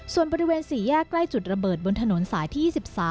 ส่วนบริเวณ๔แยกใกล้จุดระเบิดบนถนนสายที่๒๓